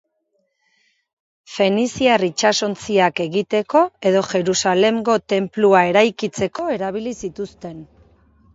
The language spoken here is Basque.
Feniziar itsasontziak egiteko edo Jerusalemgo tenplua eraikitzeko erabili zituzten.